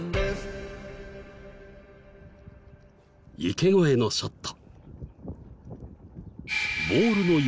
池越えのショット。